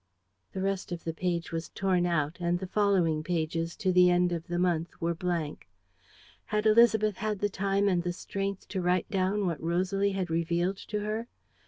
..." The rest of the page was torn out; and the following pages, to the end of the month, were blank. Had Élisabeth had the time and the strength to write down what Rosalie had revealed to her?